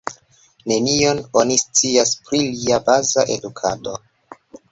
Nenion oni scias pri lia baza edukado.